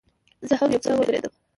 زه هم یو څه وبېرېدم.